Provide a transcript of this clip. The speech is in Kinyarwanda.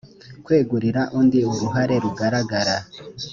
kwegurira undi uruhare rugaragara